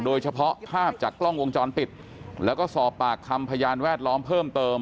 โดยเฉพาะภาพจากกล้องวงจรปิดแล้วก็สอบปากคำพยานแวดล้อมเพิ่มเติม